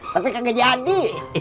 tapi gak jadi